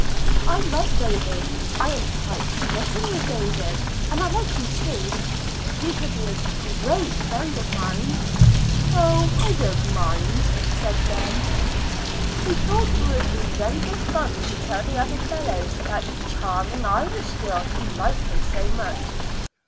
I like David. I am quite smitten with David; and I like you, too. You can be a great friend of mine." "Oh, I don't mind," said Ben. He thought it would be very good fun to tell the other fellows about the charming Irish girl who liked him so much.